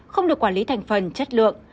không được quản lý thành phần chất lượng